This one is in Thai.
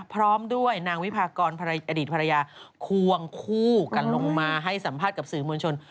พร้อมด้วยนางวิพากรอดีตภรรยาควงคู่กันลงมาให้สัมภาษณ์กับสื่อมวลชน